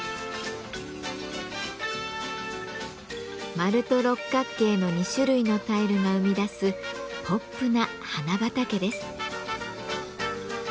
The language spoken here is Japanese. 丸と六角形の２種類のタイルが生み出すポップな花畑です。